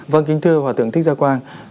vâng kính thưa hòa tượng thích gia quang